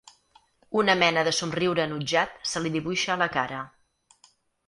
Una mena de somriure enutjat se li dibuixa a la cara.